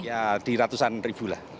ya di ratusan ribu lah